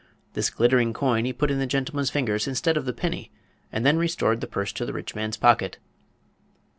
This glittering coin he put in the gentleman's fingers instead of the penny and then restored the purse to the rich man's pocket.